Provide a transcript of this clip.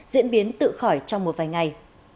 diễn biến tự khỏi trong một vài ngày